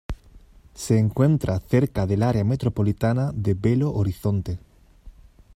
Se encuentra cerca del área metropolitana de Belo Horizonte.